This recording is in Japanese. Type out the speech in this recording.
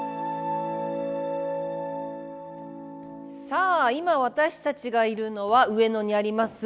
さあ今私たちがいるのは上野にあります